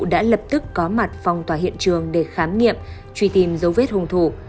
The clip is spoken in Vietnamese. đã lập tức có mặt phòng tòa hiện trường để khám nghiệm truy tìm dấu vết hùng thủ